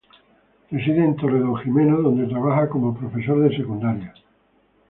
Reside en Torredonjimeno, donde trabaja como profesor de Secundaria.